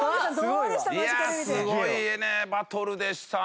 いやすごいバトルでしたね！